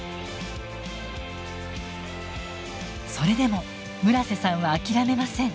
それでも村瀬さんは諦めません。